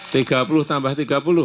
tiga puluh tambah tiga puluh